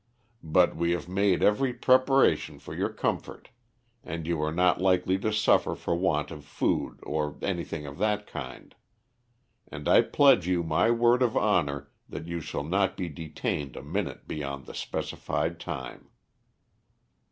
But we have made every preparation for your comfort, and you are not likely to suffer for want of food or anything of that kind. And I pledge you my word of honor that you shall not be detained a minute beyond the specified time."